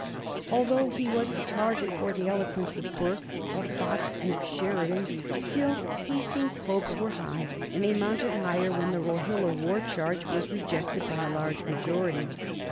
Although he was the target for the eloquence of Burke, of Fox, and of Sheridan, still Hastings's hopes were high, and they mounted higher when the Rohilla war charge was rejected by a large majority.